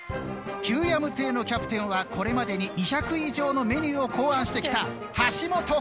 「旧ヤム邸」のキャプテンはこれまでに２００以上のメニューを考案してきた。